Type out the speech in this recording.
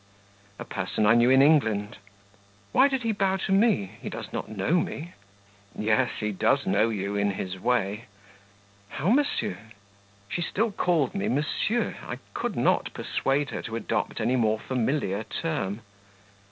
"A person I knew in England." "Why did he bow to me? He does not know me." "Yes, he does know you, in his way." "How, monsieur?" (She still called me "monsieur"; I could not persuade her to adopt any more familiar term.)